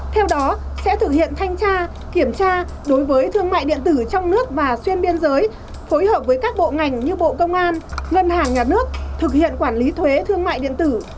theo đó sẽ thực hiện thanh tra kiểm tra đối với thương mại điện tử trong nước và xuyên biên giới phối hợp với các bộ ngành như bộ công an ngân hàng nhà nước thực hiện quản lý thuế thương mại điện tử